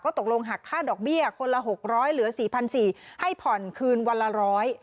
ก็ตกลงหักค่าดอกเบี้ยคนละหกร้อยเหลือสี่พันสี่ให้ผ่อนคืนวันละร้อย